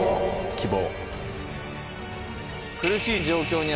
希望。